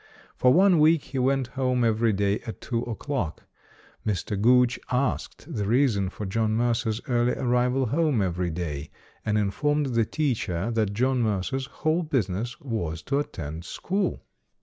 For one week he went home every day at two o'clock. Mr. Gooch asked the reason for John Mercer's early arrival home every day, and in formed the teacher that John Mercer's whole business was to attend school.